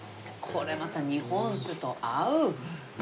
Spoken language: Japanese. これまた日本酒と合う。